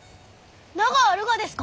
名があるがですか！？